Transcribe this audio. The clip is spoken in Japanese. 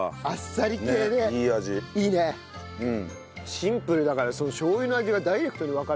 シンプルだからしょう油の味がダイレクトにわかるね。